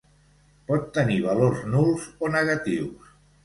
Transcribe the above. Pot tenir valors nuls o negatius.